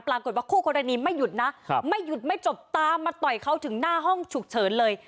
คู่กรณีไม่หยุดนะไม่หยุดไม่จบตามมาต่อยเขาถึงหน้าห้องฉุกเฉินเลย